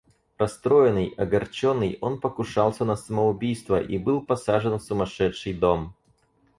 Растроенный, огорченный, он покушался на самоубийство и был посажен в сумашедший дом.